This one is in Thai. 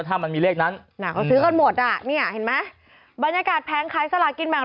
นะเอ่านี่น่ะเขาสือกันหมดอ่ะนี่อ่ะเส็นไหมบรรยากาศแพ้งขายสลากินแบงก์